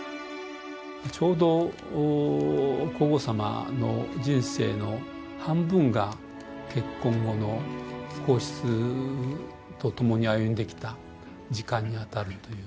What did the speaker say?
ちょうど皇后さまの人生の半分が結婚後の皇室とともに歩んできた時間に当たるという。